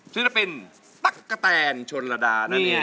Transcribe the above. ศิลปินตั๊กกะแตนชนระดานั่นเอง